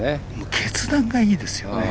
決断がいいですよね。